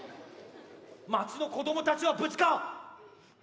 街の子どもたちは無事か！？